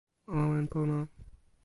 o awen pona!